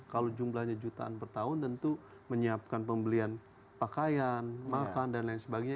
kalau jumlahnya jutaan per tahun tentu menyiapkan pembelian pakaian makan dan lain sebagainya